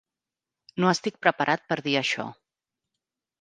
No estic preparat per dir això.